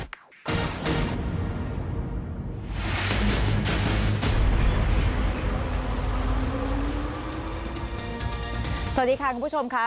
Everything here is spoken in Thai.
สวัสดีค่ะคุณผู้ชมค่ะ